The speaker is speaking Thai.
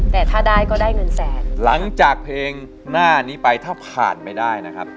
แต่ถ้าได้ก็ได้เงินแสนหลังจากเพลงหน้านี้ไปถ้าผ่านไม่ได้นะครับ